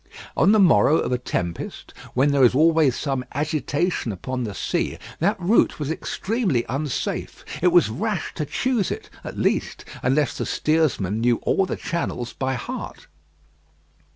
On the morrow of a tempest, when there is always some agitation upon the sea, that route was extremely unsafe. It was rash to choose it, at least, unless the steersman knew all the channels by heart.